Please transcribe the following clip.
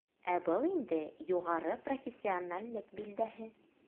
Ә был инде юғары профессионаллек билдәһе.